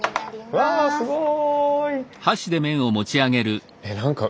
わすごい。